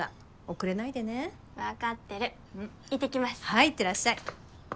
はいいってらっしゃい。